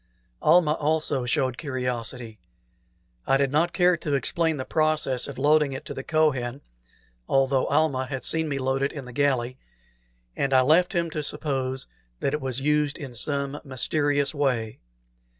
Almah also showed curiosity. I did not care to explain the process of loading it to the Kohen, though Almah had seen me load it in the galley, and I left him to suppose that it was used in some mysterious way.